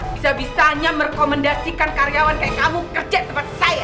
bisa bisanya merekomendasikan karyawan kayak kamu kerja tempat saya